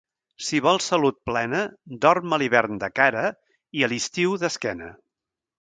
Si vols salut plena, dorm a l'hivern de cara i, a l'estiu, d'esquena.